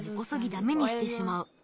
ダメにしてしまう。